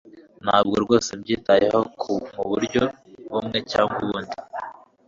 Ntabwo rwose mbyitayeho muburyo bumwe cyangwa ubundi.